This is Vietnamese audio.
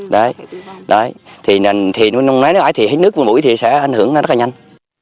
đấy đấy thì nói nói thì hết nước một mũi thì sẽ ảnh hưởng ra rất là nhanh